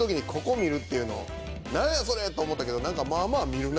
何やそれ！と思ったけどまぁまぁ見るな。